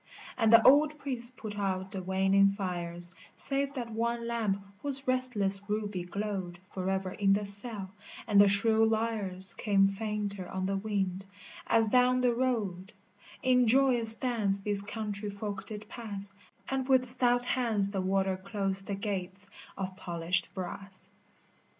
And the old priest put out the waning fires Save that one lamp whose restless ruby glowed Forever in the cell, and the shrill lyres Came fainter on the wind, as down the road In joyous dance these country folk did pass, And with stout hands the warder closed the gates of polished brass.